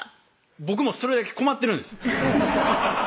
僕もそれだけ困ってるんです